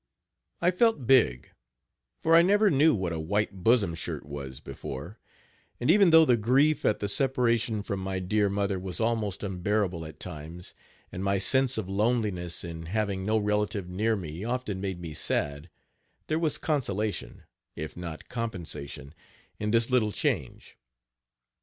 I felt big, for I never knew what a white bosom shirt was before; and even though the grief at the separation from my dear mother was almost unbearable at times, and my sense of loneliness in having no relative near me often made me sad, there was consolation, if not compensation, in this little change.